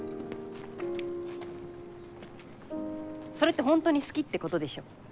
それって本当に好きってことでしょ。